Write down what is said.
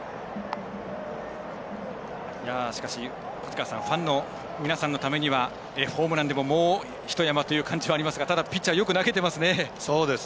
しかしファンの皆さんのためにはホームランでももうひと山という感じはありますがただ、ピッチャーはよく投げていますね。